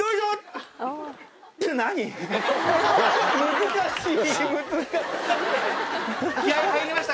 難しい！